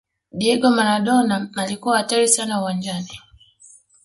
diego maradona alikuwa hatari sana uwanjani